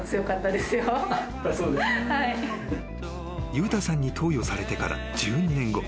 ［裕太さんに投与されてから１２年後。